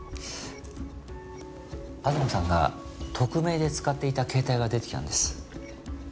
東さんが匿名で使っていた携帯が出てきたんです。